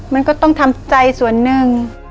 มันก็ต้องทำใจส่วนหนึ่ง